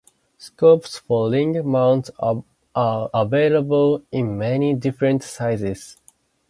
Scopes for ring mounts are available in many different sizes.